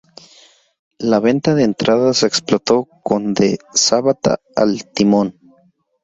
La venta de entradas explotó con de Sabata al timón.